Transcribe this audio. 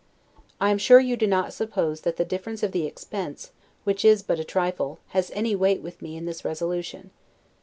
I am sure you do not suppose that the difference of the expense, which is but a trifle, has any weight with me in this resolution.